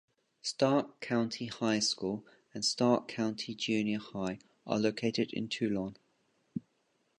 Stark County High School and Stark County Junior High are located in Toulon.